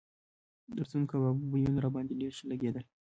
د پسونو کبابو بویونه راباندې ډېر ښه لګېدل.